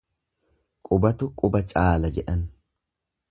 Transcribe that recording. Qubatu quba caala jedhan.